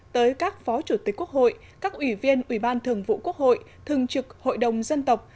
tới các phó chủ tịch quốc hội các ủy viên ủy ban thường vụ quốc hội thường trực hội đồng dân tộc